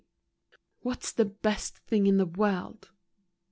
■y^HAT'S the best thing in the world?